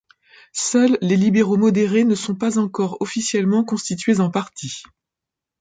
Seuls les Libéraux Modérés ne sont pas encore officiellement constitués en parti.